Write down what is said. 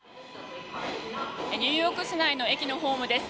ニューヨーク市内の駅のホームです。